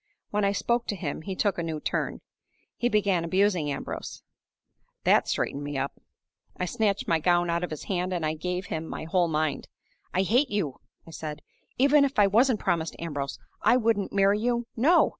When I spoke to him he took a new turn; he began abusing Ambrose. That straightened me up. I snatched my gown out of his hand, and I gave him my whole mind. 'I hate you!' I said. 'Even if I wasn't promised to Ambrose, I wouldn't marry you no!